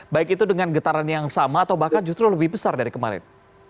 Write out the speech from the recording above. baik itu dengan getaran yang sama atau bahkan justru lebih besar dari kemarin